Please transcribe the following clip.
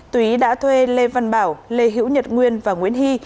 túy đã thuê lê văn bảo lê hiễu nhật nguyên và nguyễn hy